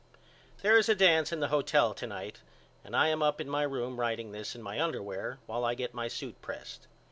There is a dance in the hotel to night and I am up in my room writing this in my underwear while I get my suit pressed.